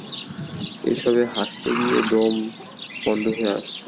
এসবে হাসতে গিয়ে দম বন্ধ হয়ে আসছে।